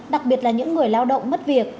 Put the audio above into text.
đặc biệt là những người lao động mất việc